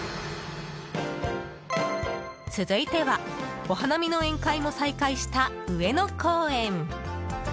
続いてはお花見の宴会も再開した上野公園。